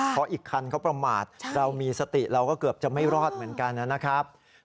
เพราะอีกคันเขาประมาทเรามีสติเราก็เกือบจะไม่รอดเหมือนกันนะครับ